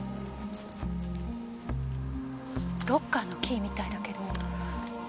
ロッカーのキーみたいだけど。